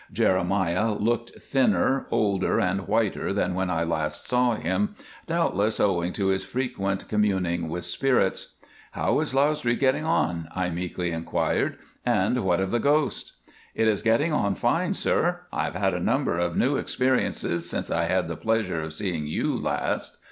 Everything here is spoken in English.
Jeremiah looked thinner, older, and whiter than when I last saw him, doubtless owing to his frequent communing with spirits. "How is Lausdree getting on?" I meekly inquired, "and what of the ghosts?" "It is getting on fine, sir. I have had a number of new experiences since I had the pleasure of seeing you last.